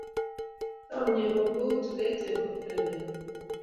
Chomye ng'ung' kou tulet eng' muguleldanyu.